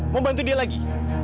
mau bantu dia lagi